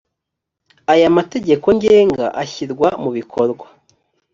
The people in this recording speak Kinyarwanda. aya mategeko ngenga azashyirwa mubikorwa